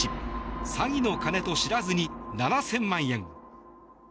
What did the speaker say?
詐欺の金と知らずに７０００万円。